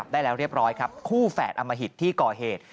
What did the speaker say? ได้แล้วเรียบร้อยครับคู่แฝดอมหิตที่ก่อเหตุ